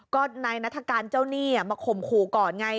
ก็นายนาฏการณ์เจ้านี่มาข่มขู่ก่อนไง